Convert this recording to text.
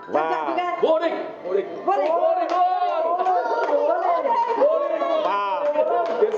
và vô địch vô địch vô địch vô địch vô địch vô địch